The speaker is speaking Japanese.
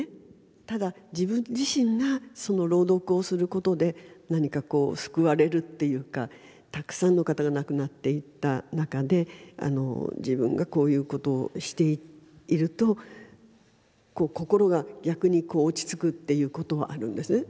ただ自分自身がその朗読をすることで何かこう救われるっていうかたくさんの方が亡くなっていった中で自分がこういうことをしていると心が逆に落ち着くっていうことはあるんですね。